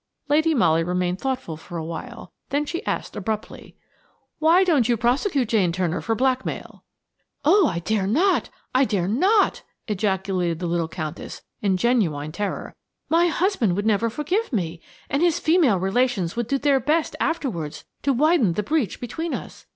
Lady Molly remained thoughtful for a while; then she asked abruptly: "Why don't you prosecute Jane Turner for blackmail?" "Oh, I dare not–I dare not!" ejaculated the little Countess, in genuine terror. "My husband would never forgive me, and his female relations would do their best afterwards to widen the breach between us.